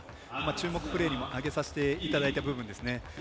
注目プレーにも挙げさせていただいた部分ですね。